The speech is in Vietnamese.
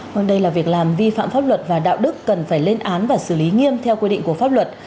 vâng đây là việc làm vi phạm pháp luật và đạo đức cần phải lên án và xử lý nghiêm theo quy định của pháp luật